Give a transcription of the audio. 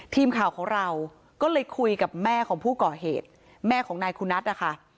ทีมข่าวของเราก็เลยคุยกับแม่ของผู้ก่อเหตุแม่ของนายคุณัทนะคะ